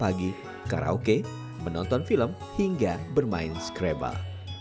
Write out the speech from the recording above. menari pagi karaoke menonton film hingga bermain skrebal